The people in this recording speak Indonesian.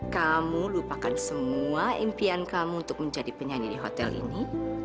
kamu lupakan semua impian kamu untuk menjadi penyanyi di hotel ini